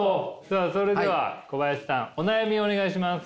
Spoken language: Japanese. さあそれでは小林さんお悩みをお願いします。